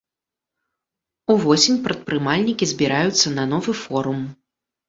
Увосень прадпрымальнікі збіраюцца на новы форум.